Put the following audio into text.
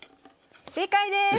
正解です！